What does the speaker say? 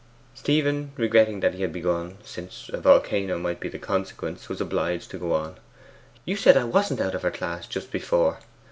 Stephen, regretting that he had begun, since a volcano might be the consequence, was obliged to go on. 'You said I wasn't out of her class just before.